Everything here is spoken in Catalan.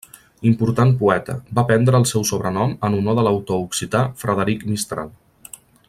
Important poeta, va prendre el seu sobrenom en honor de l'autor occità Frederic Mistral.